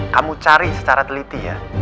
kamu cari secara teliti ya